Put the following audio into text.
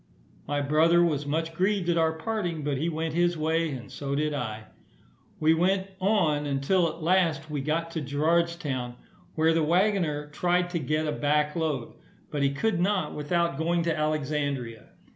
My brother was much grieved at our parting, but he went his way, and so did I. We went on until at last we got to Gerardstown, where the waggoner tried to get a back load, but he could not without going to Alexandria.